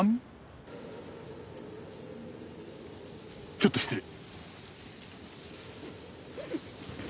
ちょっと失礼。